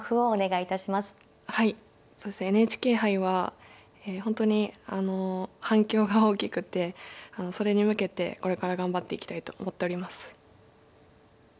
はいそうですねＮＨＫ杯は本当にあの反響が大きくてそれに向けてこれから頑張っていきたいと思っております。